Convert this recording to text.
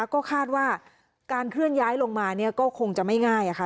ก็คาดว่าการเคลื่อนย้ายลงมาเนี่ยก็คงจะไม่ง่ายค่ะ